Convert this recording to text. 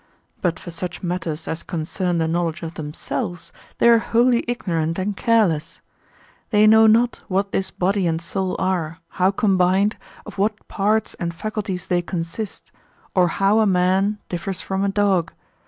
But for such matters as concern the knowledge of themselves, they are wholly ignorant and careless; they know not what this body and soul are, how combined, of what parts and faculties they consist, or how a man differs from a dog.